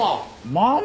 ママ？